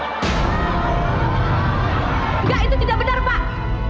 enggak itu tidak benar pak